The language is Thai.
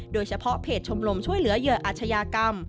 โดยเฉพาะเพจชมรมช่วยเหลือเหยื่ออาชญากรรม